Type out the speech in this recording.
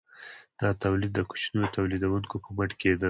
دا تولید د کوچنیو تولیدونکو په مټ کیده.